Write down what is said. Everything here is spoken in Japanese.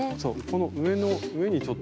この上の上にちょっと。